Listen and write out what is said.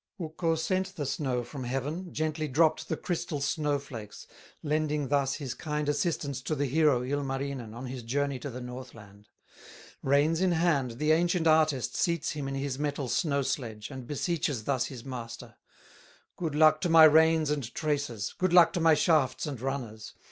Ukko sent the snow from heaven, Gently dropped the crystal snow flakes, Lending thus his kind assistance To the hero, Ilmarinen, On his journey to the Northland. Reins in hand, the ancient artist Seats him in his metal snow sledge, And beseeches thus his Master: "Good luck to my reins and traces, Good luck to my shafts and runners!